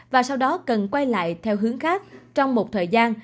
và sau đó cần quay lại theo hướng khác trong một thời gian